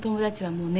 もうね